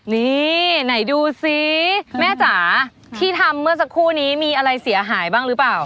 นี่ไหนดูสิแม่จ๋าที่ทำเมื่อสักครู่นี้มีอะไรเสียหายบ้างหรือเปล่า